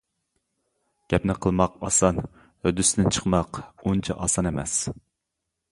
گەپنى قىلماق ئاسان ھۆددىسىدىن چىقماق ئۇنچە ئاسان ئەمەس.